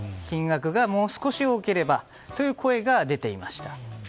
金額がもう少し多ければという声が出ていました。